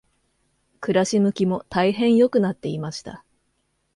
暮し向きも大変良くなっていました。